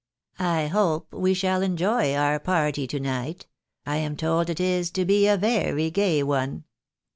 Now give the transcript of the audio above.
I hope we shall enjoy our party to night — I am told it is to be a very gay one."